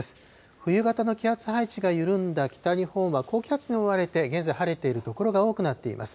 冬型の気圧配置が緩んだ北日本は、高気圧に覆われて、現在、晴れている所が多くなっています。